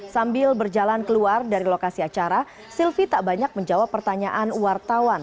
sambil berjalan keluar dari lokasi acara sylvi tak banyak menjawab pertanyaan wartawan